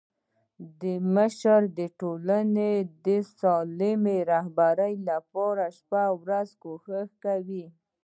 مشر د ټولني د سالمي رهبري لپاره شپه او ورځ کوښښ کوي.